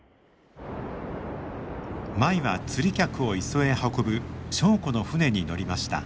舞は釣り客を磯へ運ぶ祥子の船に乗りました。